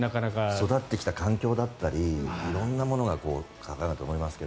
育ってきた環境だったり色々なものがあるんだと思いますが。